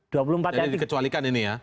jadi dikecualikan ini ya